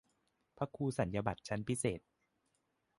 พระครูสัญญาบัตรชั้นพิเศษ